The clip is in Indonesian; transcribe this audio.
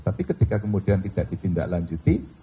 tapi ketika kemudian tidak ditindaklanjuti